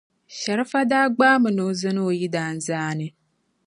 Sharifa daa gbaai mi ni o zani o yidana zaani.